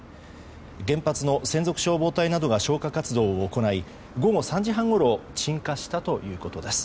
原発の専属消防隊などが消火活動を行い午後３時半ごろ鎮火したということです。